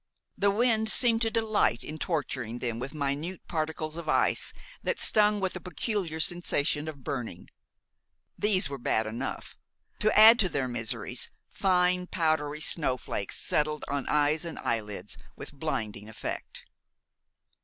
The wind seemed to delight in torturing them with minute particles of ice that stung with a peculiar sensation of burning. These were bad enough. To add to their miseries, fine, powdery snowflakes settled on eyes and eyelids with blinding effect.